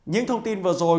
những thông tin vừa rồi